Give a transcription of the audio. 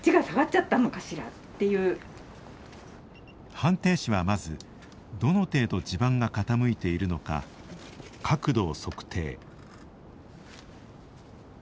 判定士はまずどの程度地盤が傾いているのか角度を測定。